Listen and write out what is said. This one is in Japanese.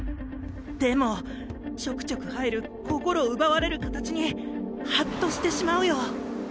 でもちょくちょく入る心奪われる形にはっとしてしまうよ。